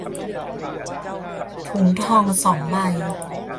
ถุงทอง สอง ใบ